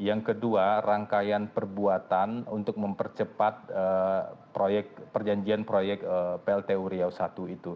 yang kedua rangkaian perbuatan untuk mempercepat proyek perjanjian proyek plt uriau i itu